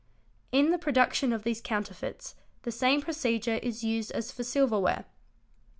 In the production of these counterfeits the same procedure is used as for silverware.